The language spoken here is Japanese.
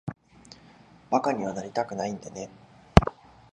馬鹿にはなりたくないんでね。